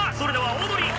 オードリー！